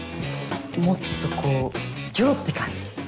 もっとこうギョロって感じで。